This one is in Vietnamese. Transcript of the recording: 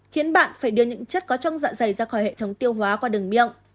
khiến bạn phải đưa những chất có trong dạ dày ra khỏi hệ thống tiêu hóa qua đường miệng